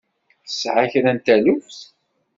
Tesɛa kra n taluft?